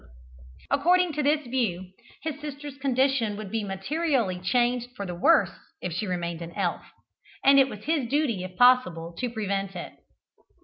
Therefore, according to this view, his sister's condition would be materially changed for the worse if she remained an elf, and it was his duty, if possible, to prevent it.